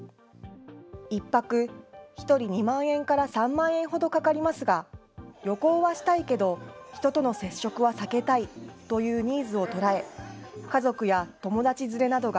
１泊、１人２万円から３万円ほどかかりますが、旅行はしたいけど、人との接触は避けたいというニーズを捉え、家族や友達連れなどが